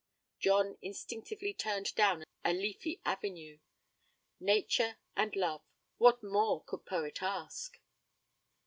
John instinctively turned down a leafy avenue. Nature and Love! What more could poet ask?